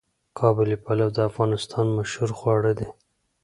قابلي پلو د افغانستان مشهور خواړه دي.